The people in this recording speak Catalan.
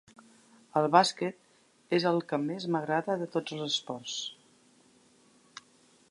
El bàsquet és el que més m'agrada de tots els esports.